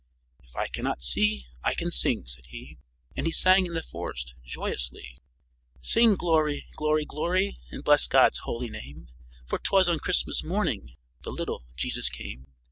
"If I cannot see I can sing," said he, and he sang in the forest joyously: "Sing glory, glory, glory! And bless God's holy name; For 'twas on Christmas morning, The little Jesus came.